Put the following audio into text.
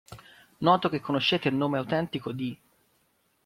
Noto che conoscete il nome autentico di.